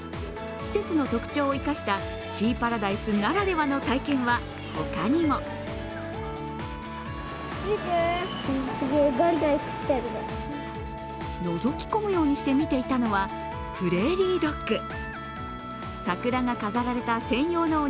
施設の特長を生かしたシーパラダイスならではの体験は他にものぞき込むようにして見ていたのはプレーリードッグ。